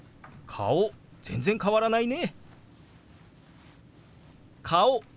「顔全然変わらないね」。